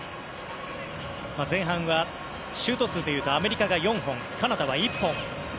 前半はシュート数でいうとアメリカが４本カナダは１本。